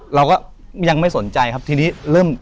เราก็ยังไม่สนใจครับทีนี้เริ่ม